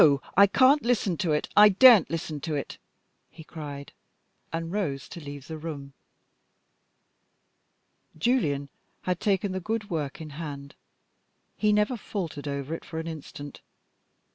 I can't listen to it! I daren't listen to it!" he cried, and rose to leave the room. Julian had taken the good work in hand: he never faltered over it for an instant.